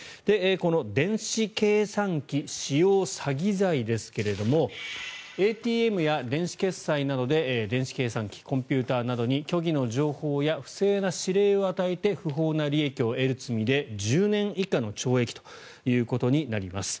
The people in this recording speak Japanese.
この電子計算機使用詐欺罪ですがＡＴＭや電子決済などで電子計算機コンピューターなどに虚偽の情報や不正な指令を与えて不法な利益を得る罪で１０年以下の懲役ということになります。